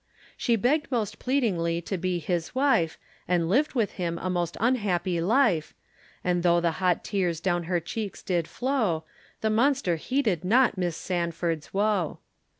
She begged most pleadingly to be his wife, And lived with him a most unhappy life, And though the hot tears down her cheeks did flow The monster heeded not Miss Sandford's woe.